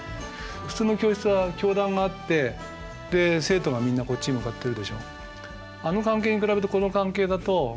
普通の教室は教壇があってで生徒がみんなこっちに向かってるでしょ。